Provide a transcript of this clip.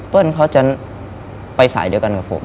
เป้ิ้ลเขาจะไปสายเดียวกันกับผม